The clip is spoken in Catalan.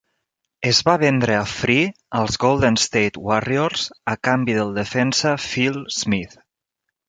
Es va vendre a Free als Golden State Warriors a canvi del defensa Phil Smith.